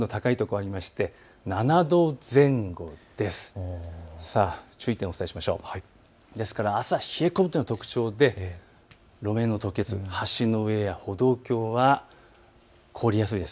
あすは冷え込むというのが特徴で路面の凍結橋の上や歩道橋は凍りやすいです。